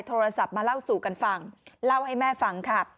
โทรศัพท์มาเล่าสู่กันฟังเล่าให้แม่ฟังค่ะ